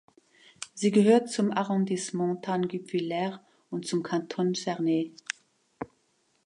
Sie gehört zum Arrondissement Thann-Guebwiller und zum Kanton Cernay.